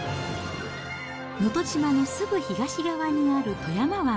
能登島のすぐ東側にある富山湾。